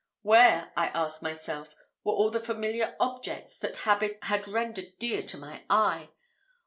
Where I asked myself where were all the familiar objects that habit had rendered dear to my eye?